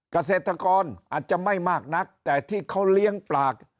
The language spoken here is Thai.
เกษตรกรอาจจะไม่มากนักแต่ที่เขาเลี้ยงปลา